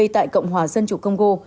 tại cộng hòa dân chủ congo